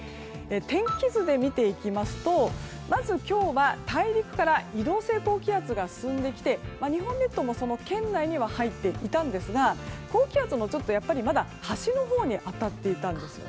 天気図で見ていきますとまず今日は大陸から移動性高気圧が進んできて日本列島もその圏内には入っていたんですが高気圧の、ちょっとまだ端のほうに当たっていたんです。